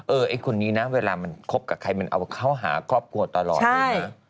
ไอ้คนนี้นะเวลามันคบกับใครมันเอาเข้าหาครอบครัวตลอดเลยนะ